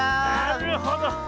なるほど。